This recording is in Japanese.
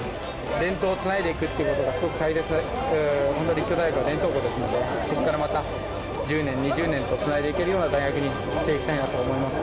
伝統をつないでいくということがすごく大切、立教大学は伝統校ですので、ここからまた１０年、２０年とつないでいけるような大学にしていきたいなと思います。